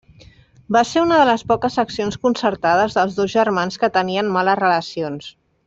Va ser una de les poques accions concertades dels dos germans que tenien males relacions.